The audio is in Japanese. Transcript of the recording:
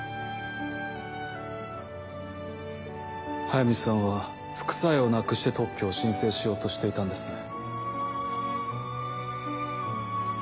速水さんは副作用をなくして特許を申請しようとしていたんですね。